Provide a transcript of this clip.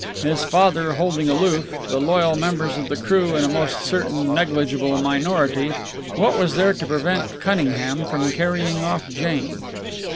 His father holding aloof, the loyal members of the crew in a most certain negligible minority, what was there to prevent Cunningham from carrying off Jane?